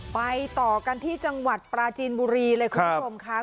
ไปต่อกันที่จังหวัดปราจีนบุรีเลยคุณผู้ชมค่ะ